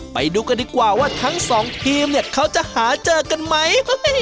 ไปดูกันดีกว่าว่าทั้งสองทีมเนี่ยเขาจะหาเจอกันไหม